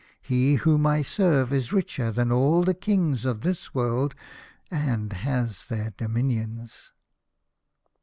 He whom I serve is richer than all the kings of this world and has their dominions."